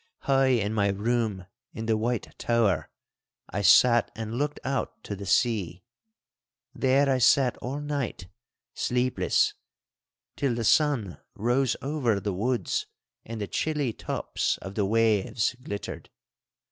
High in my room in the White Tower I sat and looked out to the sea. There I sat all night, sleepless, till the sun rose over the woods and the chilly tops of the waves glittered.